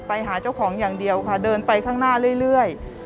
ไปหาเจ้าของอย่างเดียวค่ะเดินไปข้างหน้าเรื่อย